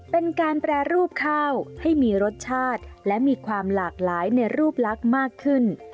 เป็นการแปรรูปข้าวให้มีรสชาติและมีความหลากหลายในรูปลักษณ์มากขึ้น